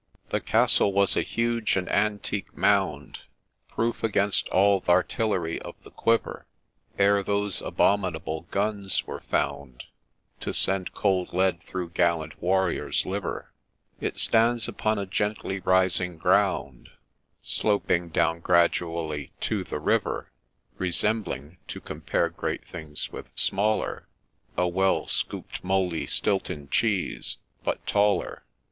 The Castle was a huge and antique mound, Proof against all th' artillery of the quiver, Ere those abominable guns were found, To send cold lead through gallant warrior's liver. It stands upon a gently rising ground, Sloping down gradually to the river, Resembling (to compare great things with smaller) A well scooped, mouldy Stilton cheese, — but taller.